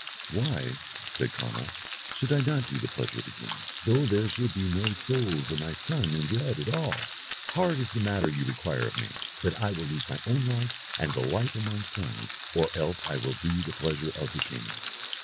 "Why," said Conall, "should not I do the pleasure of the king, though there should be no souls of my sons in dread at all? Hard is the matter you require of me, but I will lose my own life, and the life of my sons, or else I will do the pleasure of the king."